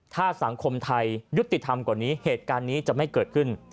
ถ้าสังคมไทยยุติธรรมกว่านี้เหตุการณ์นี้จะไม่เกิดขึ้น